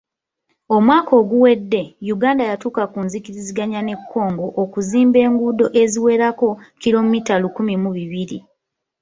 Omwaka oguwedde, Uganda yatuuka ku nzikiriziganya ne Congo okuzimba enguudo eziwerako kkiromita lukumi mu bibiri.